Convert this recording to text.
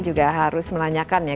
juga harus melanyakan ya